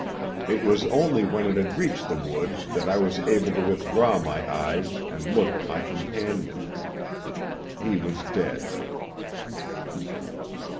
It was only when it had reached the wood that I was able to withdraw my eyes and look at my companion. He was dead."